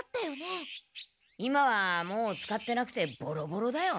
今はもう使ってなくてボロボロだよ。